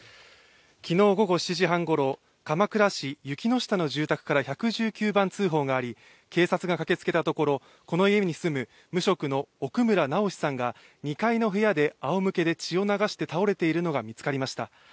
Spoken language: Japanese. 昨日午後７時半ごろ、鎌倉市の住宅から１１９番通報があり警察が駆けつけたところ、この家に住む無職の奥村直司さんが２階の部屋であおむけで血を流して倒れているのが見つかりました。